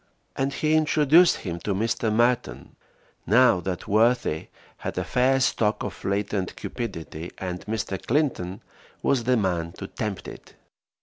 And he introduced him to Mr. Merton. Now that worthy had a fair stock of latent cupidity, and Mr. Clinton was the man to tempt it.